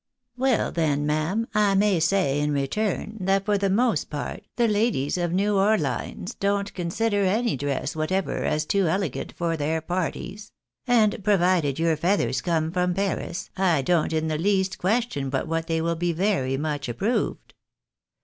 " Well, then, ma'am, I may say in return, that for the most part the ladies of New Orlines don't consider any dress whatever as too elegant for their parties ; and provided your feathers come from Paris, I don't in the least question but what they will be very much approved.